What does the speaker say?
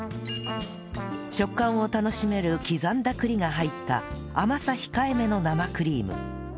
食感を楽しめる刻んだ栗が入った甘さ控えめの生クリーム